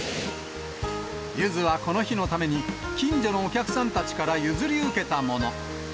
ゆずはこの日のために、近所のお客さんたちから譲り受けたもの。